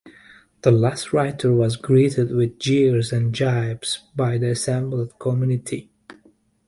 The last rider was greeted with jeers and gibes by the assembled community.